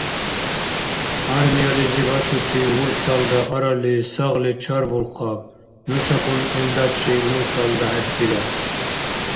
Армиялизи башути мурталра арали-сагъли чарбулхъаб: нушакӀун илдачи мурталра хӀертира.